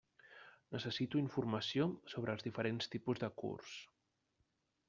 Necessito informació sobre els diferents tipus de curs.